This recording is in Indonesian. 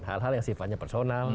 hal hal yang sifatnya personal